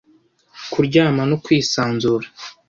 Kuryama no kwisanzura.